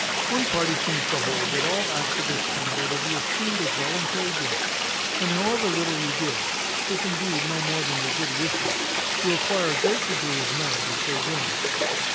One party seems to hold, that all acts of this kind are to be esteemed as voluntary gifts, and, however little you give (if indeed no more than your good wishes), you acquire a great degree of merit in so doing.